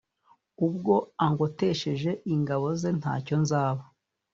Ubwo angotesheje ingabo ze ntacyo nzaba